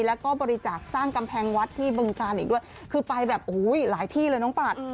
แล้วก็บริจาคสร้างกำแพงวัดที่บึงการอีกด้วยคือไปแบบโอ้โหหลายที่เลยน้องปัด